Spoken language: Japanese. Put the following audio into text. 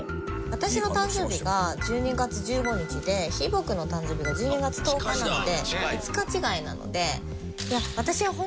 私の誕生日が１２月１５日でひーぼぉくんの誕生日が１２月１０日なので５日違いなので。